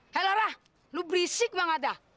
hei laura lo berisik bang ada